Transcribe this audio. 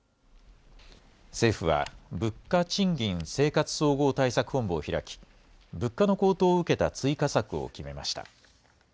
政府は、物価・賃金・生活総合対策本部を開き、物価の高騰を受けた追加策を決めました。